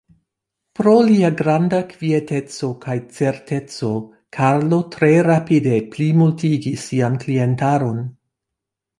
Pro lia granda kvieteco kaj certeco, Karlo tre rapide plimultigis sian klientaron.